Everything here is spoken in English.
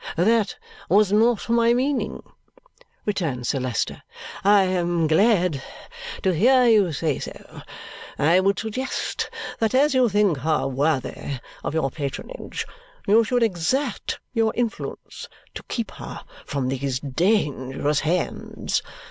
"That was not my meaning," returns Sir Leicester. "I am glad to hear you say so. I would suggest that as you think her worthy of your patronage, you should exert your influence to keep her from these dangerous hands.